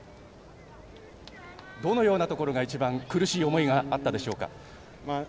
どのようなところが一番苦しい思いがあったでしょうか？